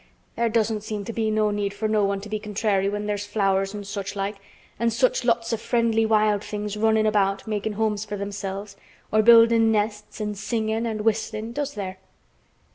"There doesn't seem to be no need for no one to be contrary when there's flowers an' such like, an' such lots o' friendly wild things runnin' about makin' homes for themselves, or buildin' nests an' singin' an' whistlin', does there?"